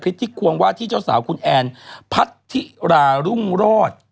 ที่ควงว่าที่เจ้าสาวคุณแอนพัทธิรารุ่งโรธ